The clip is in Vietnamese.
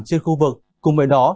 trên khu vực cùng với đó